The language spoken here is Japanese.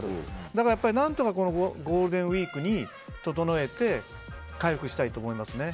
だから何とかゴールデンウィークに整えて回復したいと思いますね。